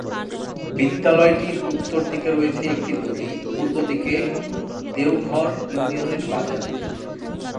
বিদ্যালয়টির উত্তর দিকে রয়েছে একটি নদী, পূর্ব দিকে দেওঘর ইউনিয়নের বাজার।